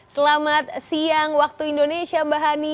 selamat siang waktu indonesia mbak hani